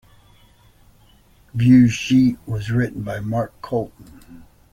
ViewSheet was written by Mark Colton.